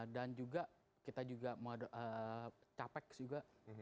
dan juga kita juga capex juga